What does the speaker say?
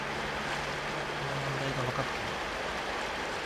よくこの問題がわかったね